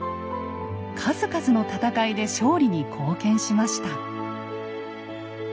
数々の戦いで勝利に貢献しました。